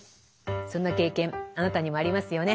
そんな経験あなたにもありますよね。